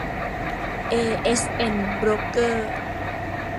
เอเอสเอ็น โบรกเกอร์